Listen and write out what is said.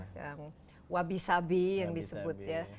yang wabi sabi yang disebut ya